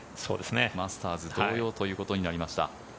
マスターズ同様ということになりました。